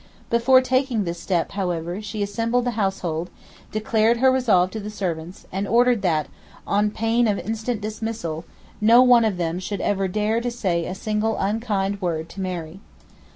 Before taking this step, however, she assembled the household, declared her resolve to the servants, and ordered that, on pain of instant dismissal, no one of them should ever dare say a single unkind word to Mary.